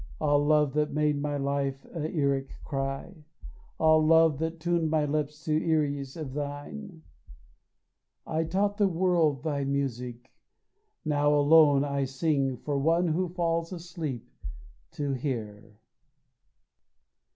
Ah, Love that made my life a Iyric cry, Ah, Love that tuned my lips to Iyres of thine, I taught the world thy music, now alone I sing for one who falls asleep to hear.